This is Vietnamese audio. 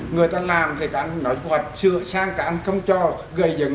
người ta làm thì cả anh nói kế hoạch sửa sang cả anh không cho gây dần